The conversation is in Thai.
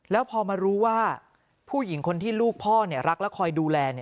แล้วพอมารู้ว่าผู้หญิงคนที่ลูกพ่อรักและคอยดูแล